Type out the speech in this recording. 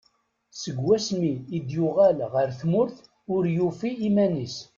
Seg wasmi i d-yuɣal ɣer tmurt ur yufi iman-is.